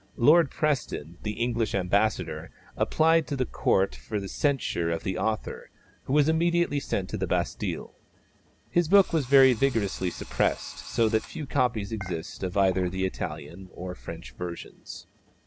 Lord Preston, the English ambassador, applied to the Court for the censure of the author, who was immediately sent to the Bastille. His book was very vigorously suppressed, so that few copies exist of either the Italian or French versions.